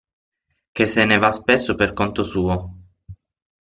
Che se ne va spesso per conto suo.